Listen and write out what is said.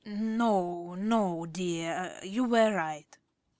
No, no, dear. You were right.